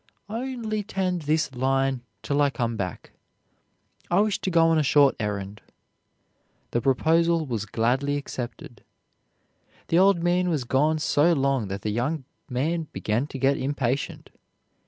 "Only to tend this line till I come back; I wish to go on a short errand." The proposal was gladly accepted. The old man was gone so long that the young man began to get impatient.